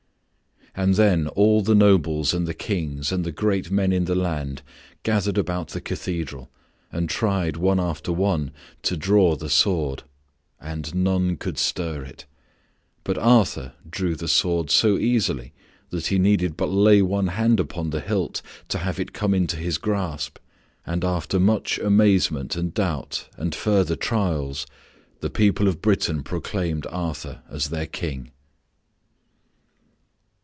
And then all the nobles and the kings and the great men in the land gathered about the cathedral and tried one after one to draw the sword. And none could stir it. But Arthur drew the sword so easily that he needed but to lay one hand upon the hilt to have it come into his grasp and after much amazement and doubt and further trials the people of Britain proclaimed Arthur as their King.